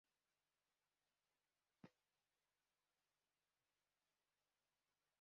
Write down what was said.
تا لو ستونگ ن٘یشُو بجِی لم پو لہ کھیانگ چِہ بیاسے گوید؟“